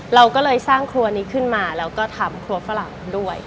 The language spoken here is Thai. เราก็เลยสร้างครัวนี้ขึ้นมาแล้วก็ทำครัวฝรั่งด้วย